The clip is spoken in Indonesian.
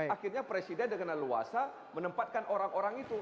akhirnya presiden dengan leluasa menempatkan orang orang itu